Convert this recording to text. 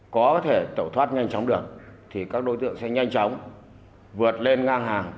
có thể tẩu thoát nhanh chóng được thì các đối tượng sẽ nhanh chóng vượt lên ngang hàng